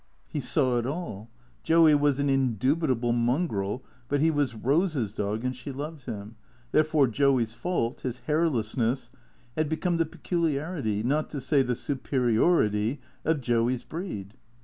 He saw it all. Joey was an indubitable mongrel, but he was Rose's dog, and she loved him, therefore Joey's fault, his hair lessness, had become the peculiarity, not to say the superiority, of Joey's breed.